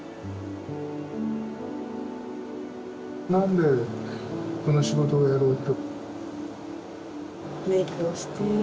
何でこの仕事をやろうと？